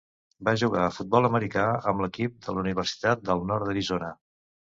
Va jugar a futbol americà amb l'equip de la Universitat del Nord d'Arizona.